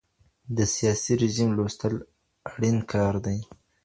د سياسي رژيم لوستل اړين کار دی.